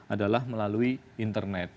adalah melalui internet